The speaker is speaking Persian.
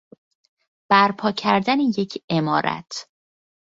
برپا کردن یک عمارت